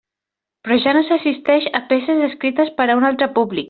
Però ja no s'assisteix a peces escrites per a un altre públic.